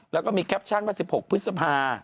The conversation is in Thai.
แล้วก็มีแคปชั่นว่า๑๖พฤษภา